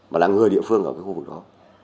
mà là người địa phương ở khu vực đó